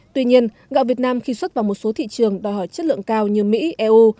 tuy nhiên gạo việt nam khi xuất vào một số thị trường đòi hỏi chất lượng cao như mỹ eu